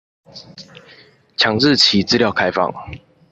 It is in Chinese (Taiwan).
強制其資料開放